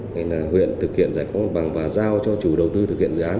nên là huyện thực hiện giải phóng một bằng và giao cho chủ đầu tư thực hiện dự án